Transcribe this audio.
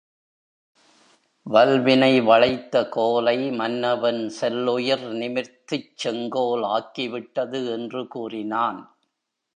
வல்வினை வளைத்த கோலை மன்னவன் செல்லுயிர் நிமிர்த்துச் செங்கோல் ஆக்கிவிட்டது, என்று கூறினான்.